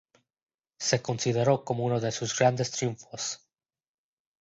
Se consideró como uno de sus grandes triunfos.